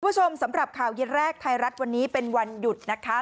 สำหรับข่าวเย็นแรกไทยรัฐวันนี้เป็นวันหยุดนะคะ